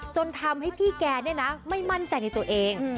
จนทำให้พี่แกไม่มั่นใจในตัวเอง